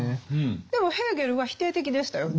でもヘーゲルは否定的でしたよね。